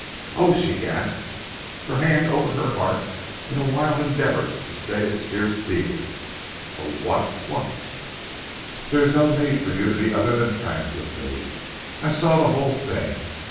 "Oh!" she gasped, her hand over her heart in a wild endeavour to stay its fierce beating. "Oh! what what " "There is no need for you to be other than frank with me. I saw the whole thing.